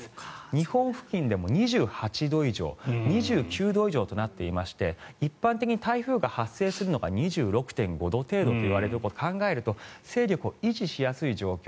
日本付近でも２８度以上２９度以上となっていまして一般的に台風が発生するのが２６．５度程度といわれていることを考えると勢力を維持しやすい状況。